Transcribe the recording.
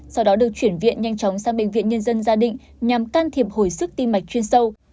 sau đó được chuyển viện nhanh chóng sang bệnh viện nhân dân gia định nhằm can thiệp hồi sức tim mạch chuyên sâu